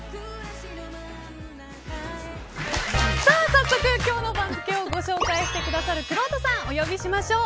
早速、今日の番付をご紹介してくださるくろうとさん、お呼びしましょう。